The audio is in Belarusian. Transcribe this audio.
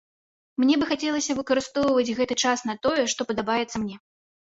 Мне б хацелася выкарыстоўваць гэты час на тое, што падабаецца мне.